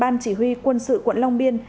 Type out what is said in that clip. ban chỉ huy quân sự quận long biên